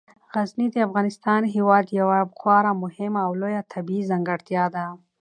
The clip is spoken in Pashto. غزني د افغانستان هیواد یوه خورا مهمه او لویه طبیعي ځانګړتیا ده.